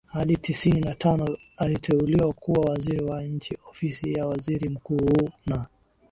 hadi tisini na tano aliteuliwa kuwa Waziri wa Nchi Ofisi ya Waziri Mkuu na